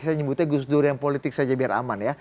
saya nyebutnya gusdurian politik saja biar aman ya